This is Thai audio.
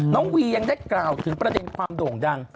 เวียยังได้กล่าวถึงประเด็นความโด่งดัง